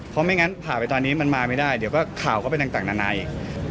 เพราะไม่งั้นผ่าไปตอนนี้มันมาไม่ได้เดี๋ยวก็ข่าวก็เป็นต่างนานาอีก